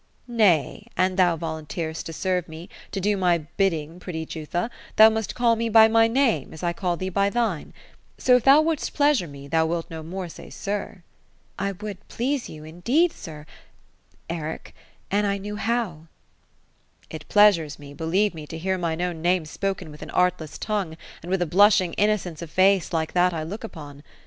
<^ Nay, an thou volunteer'st to serve me — to do my bidding, pretty Jutha, thou must call me by my name, as I call thee by thine. So, if thou wouldst pleasure me, thou wilt no more say ' sir.' "" I would please you, indeed, sir, — Eric, — an I knew how.'* *^ It pleasures me, believe me, to hear mine own name spoken with an artless tongue, and with a blushing innocence of face like that I look upon.